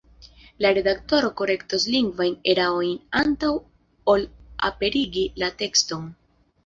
La redaktoro korektos lingvajn erarojn antaŭ ol aperigi la tekston.